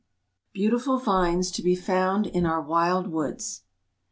BEAUTIFUL VINES TO BE FOUND IN OUR WILD WOODS.